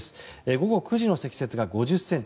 午後９時の積雪が５０ｃｍ